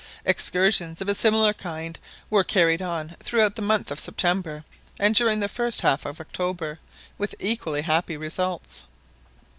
Excursions of a similar kind were carried on throughout the month of September, and during the first half of October, with equally happy results.